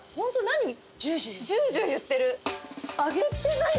ジュージュー言ってる。